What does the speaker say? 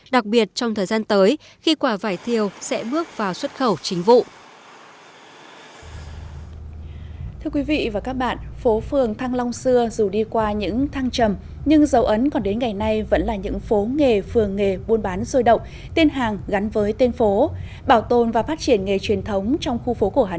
đặc biệt trong thời gian tới khi quả vải thiêu sẽ bước vào xuất khẩu chính vụ